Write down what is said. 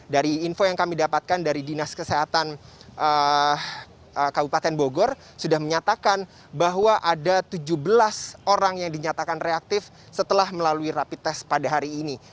dari info yang kami dapatkan dari dinas kesehatan kabupaten bogor sudah menyatakan bahwa ada tujuh belas orang yang dinyatakan reaktif setelah melalui rapid test pada hari ini